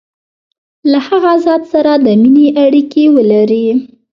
له هغه ذات سره د مینې اړیکي ولري.